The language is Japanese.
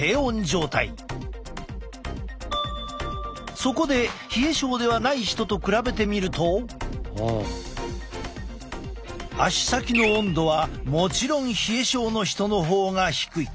そこで冷え症ではない人と比べてみると足先の温度はもちろん冷え症の人の方が低い。